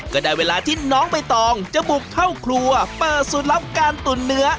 ก็ได้เวลาที่น้องใบตองจะบุกเข้าครัวเปิดสูตรลับการตุ๋นเนื้อ